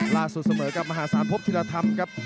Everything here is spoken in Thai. ล่าสุดเสมอกับมหาศาลพบธิรธรรมครับ